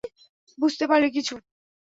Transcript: বুঝতে পারলি কিছু?